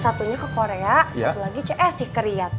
satunya ke korea satu lagi ke riyad